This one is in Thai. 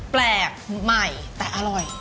แปลกใหม่แต่อร่อย